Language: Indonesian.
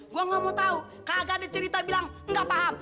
gua gak mau tau kagak ada cerita bilang gak paham